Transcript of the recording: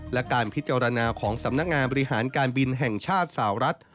และการพิจารณาของสำนักงานบริหารการบินแห่งชาติสาวรัฐ